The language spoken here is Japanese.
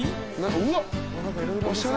うわっ。